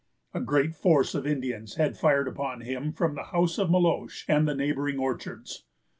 A great force of Indians had fired upon him from the house of Meloche and the neighboring orchards.